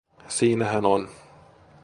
Siinä hän on.